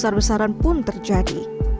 besar besaran pun terjadi